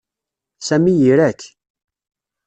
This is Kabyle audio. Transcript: Sami ira-k.